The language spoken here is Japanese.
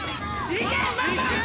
いけ！